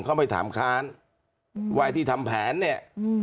เขาไปถามค้านว่าไอ้ที่ทำแผนเนี่ย